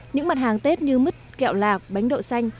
những mặt hàng tết như mứt kẹo lạc bánh đậu xanh